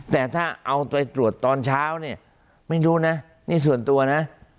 แต่ถ้าเอาไปตรวจตอนเช้าเนี่ยไม่รู้นะนี่ส่วนตัวนะ